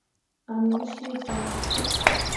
A no cii fana fok.